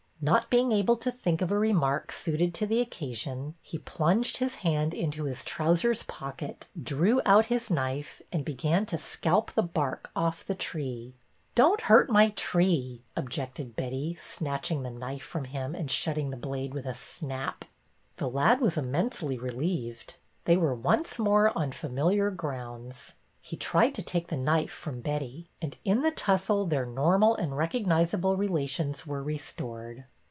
Not being able to think of a remark suited to the occasion, he plunged his hand into his trousers pocket, drew out his knife, and began to scalp the bark off the tree. '' Don't hurt my tree," objected Betty, snatch ing the knife from him and shutting the blade with a snap. The lad was immensely relieved. They were once more on familiar grounds. He tried to take the knife from Betty, and in the tussle their normal and recognizable relations were restored.